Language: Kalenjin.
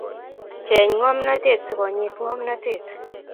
Cheng ngomnotet sikonyit ngomnotet